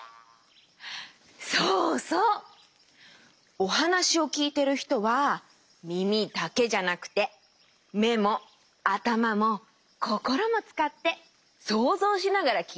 おはなしをきいてるひとはみみだけじゃなくてめもあたまもこころもつかってそうぞうしながらきいてるよ。